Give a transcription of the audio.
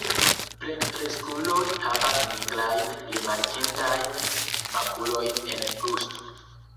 Plenkreskuloj havas nigrajn rimarkindajn makulojn en brusto.